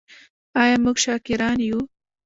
آیا موږ شاکران یو؟